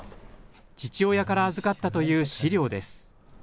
父親から預かったという資料です。